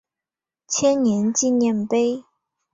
千年纪念碑。